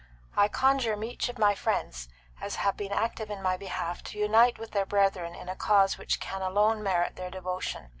I conjure such of my friends as have been active in my behalf to unite with their brethren in a cause which can alone merit their devotion.